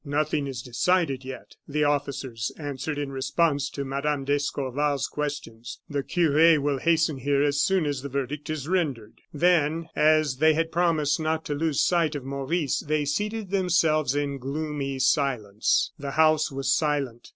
"Nothing is decided yet," the officers answered in response to Mme. d'Escorval's questions. "The cure will hasten here as soon as the verdict is rendered." Then, as they had promised not to lose sight of Maurice, they seated themselves in gloomy silence. The house was silent.